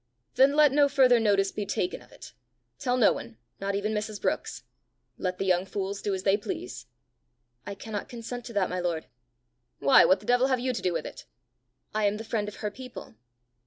"Then let no further notice be taken of it. Tell no one not even Mrs. Brookes. Let the young fools do as they please." "I cannot consent to that, my lord." "Why, what the devil have you to do with it?" "I am the friend of her people."